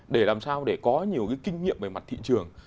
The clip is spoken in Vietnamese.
để làm sao để có nhiều cái kinh nghiệm về mặt thị trường